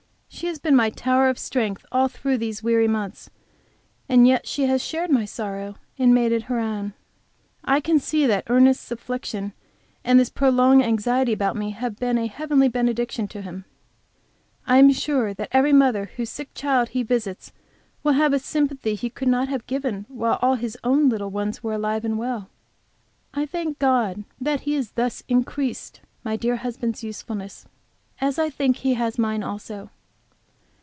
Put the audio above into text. She has been my tower strength all through these weary months; and she has shared my sorrow and made it her own. I can see that dear Ernest's affliction and this prolonged anxiety about me have been a heavenly benediction to him I am sure that every mother whose sick child he visits will have a sympathy he could not have given while all our own little ones were alive and well. I thank God that He has thus increased my dear husband's usefulness as I think that He has mine also.